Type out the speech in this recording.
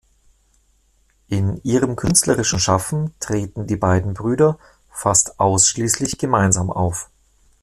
In ihrem künstlerischen Schaffen treten die beiden Brüder fast ausschließlich gemeinsam auf.